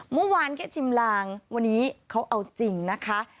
เมื่อวานแค่ชิมลางวันนี้เขาเอาจริงนะคะ